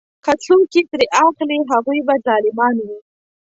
که څوک یې ترې اخلي هغوی به ظالمان وي.